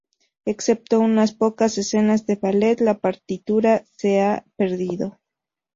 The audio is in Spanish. Excepto unas pocas escenas de ballet, la partitura se ha perdido.